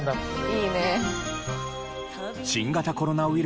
いいね。